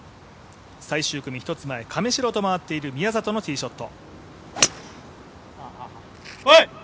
最終組の１つ前、亀代と回っている宮里のティーショット。